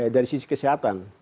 dari sisi kesehatan